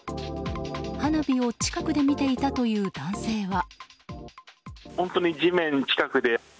花火を近くで見ていたという男性は。